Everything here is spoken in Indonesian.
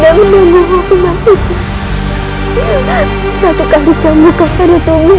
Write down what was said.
ibu nang tidak ingin melihat karir yang terjadi